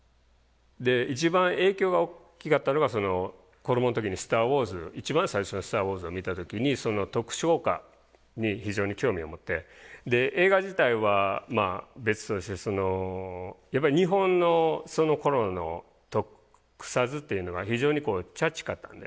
で一番影響が大きかったのが子どもの時に「スター・ウォーズ」一番最初の「スター・ウォーズ」を見た時にその特殊効果に非常に興味を持ってで映画自体はまあ別としてそのやっぱり日本のそのころの特撮っていうのが非常にチャチかったんで。